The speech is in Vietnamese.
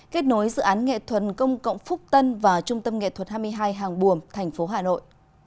kết nối dự án nghệ thuật công cộng phúc tân và trung tâm nghệ thuật hai mươi hai hàng buồm thành phố hà nội